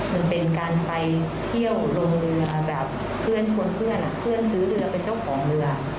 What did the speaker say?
มันเป็นการไปเที่ยวโรงเรือแบบเพื่อนชวนเพื่อนเพื่อนซื้อเรือเป็นเจ้าของเรือ